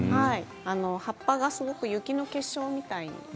葉っぱがすごく雪の結晶のみたいな。